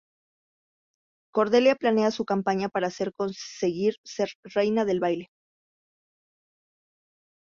Cordelia planea su campaña para ser conseguir ser reina del baile.